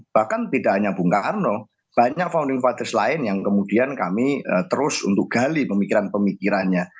bahkan tidak hanya bung karno banyak founding fathers lain yang kemudian kami terus untuk gali pemikiran pemikirannya